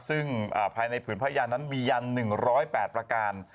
ซึ่งภายในผืนพยานนั้นมียัน๑๐๘ประการ